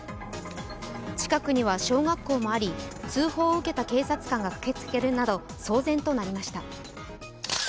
近くには小学校もあり通報を受けた警察官が駆けつけるなど騒然となりました。